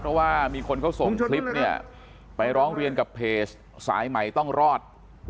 เพราะว่ามีคนเขาส่งคลิปเนี่ยไปร้องเรียนกับเพจสายใหม่ต้องรอด